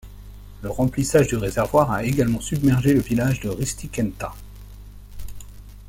Le remplissage du réservoir a également submergé le village de Ristikenttä.